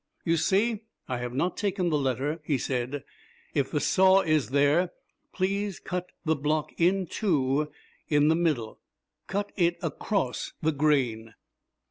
"You see I have not taken the letter," he said. "If the saw is there, please cut the block in two in the middle. Cut it across the grain."